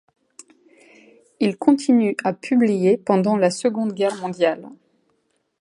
Il continue à publier pendant la Seconde Guerre mondiale.